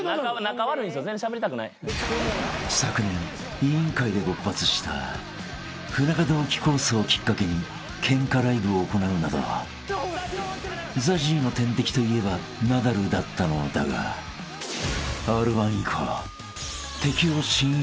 ［昨年『委員会』で勃発した不仲同期抗争をきっかけにケンカライブを行うなどＺＡＺＹの天敵といえばナダルだったのだがＲ−１以降］